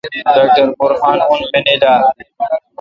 ڈاکٹر برہان اون مینل اؘ